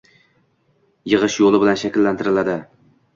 yig‘ish yo‘li bilan shakllantiriladi.